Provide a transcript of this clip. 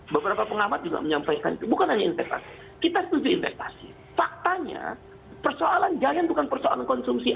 beberapa pengamat juga menyampaikan itu bukan hanya infektasi kita harus mencari infektasi faktanya persoalan jalan bukan persoalan konsumsi anti